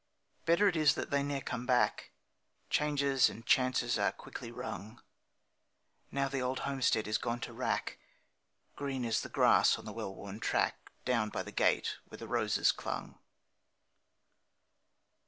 Better it is that they ne'er came back Changes and chances are quickly rung; Now the old homestead is gone to rack, Green is the grass on the well worn track Down by the gate where the roses clung.